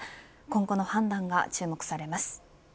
今後の判断が注目されます。